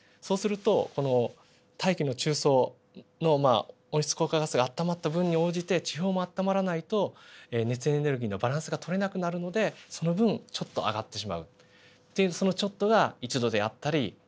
そうするとこの大気の中層の温室効果ガスがあったまった分に応じて地表もあったまらないと熱エネルギーのバランスが取れなくなるのでその分ちょっと上がってしまうっていうそのちょっとが１℃であったり。